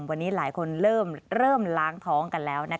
วันนี้หลายคนเริ่มล้างท้องกันแล้ว